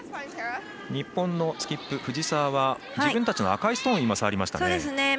日本のスキップ、藤澤は自分たちの赤いストーンを触りましたね。